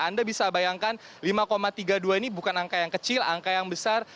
anda bisa bayangkan lima tiga puluh dua ini bukan angka yang kecil angka yang besar